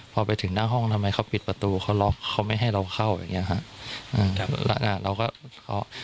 พอไปถึงหน้าห้องทำไมเขาปิดประตูเขาล็อคเขาไม่ให้เราเข้าอย่างนี้ครับ